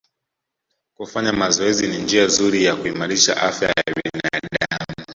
Kufanya mazoezi ni njia nzuri ya kuimarisha afya ya binadamu